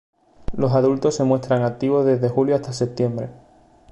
Los adultos se muestran activos desde julio hasta septiembre.